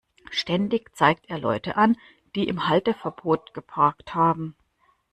Ständig zeigt er Leute an, die im Halteverbot geparkt haben.